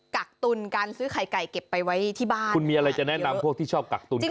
กักตุลการซื้อไข่ไก่เก็บไปไว้ที่บ้านคุณมีอะไรจะแนะนำพวกที่ชอบกักตุนกัน